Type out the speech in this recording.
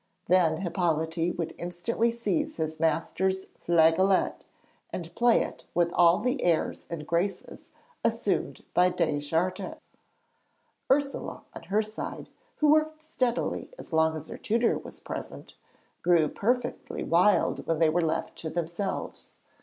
Then Hippolyte would instantly seize his master's flageolet and play it with all the airs and graces assumed by Deschartres. Ursule on her side, who worked steadily as long as her tutor was present, grew perfectly wild when they were left to themselves.